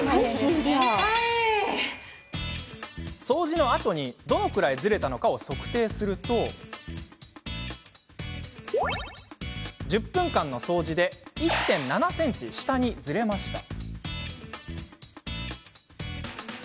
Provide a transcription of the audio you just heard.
掃除のあとにどのぐらいズレたのか測定すると１０分間の掃除で１．７ｃｍ下にズレました。